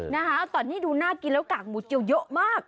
นะคะตอนนี้ดูน่ากินแล้วกากหมูเจียวเยอะมาก